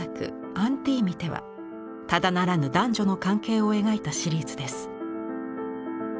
「アンティミテ」はただならぬ男女の関係を描いたシリーズです。